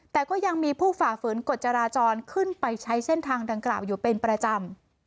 แต่ก็ยังมีผู้ฝ่าฝืนกฎจราจรขึ้นไปใช้เส้นทางดังกล่าวอยู่เป็นประจำ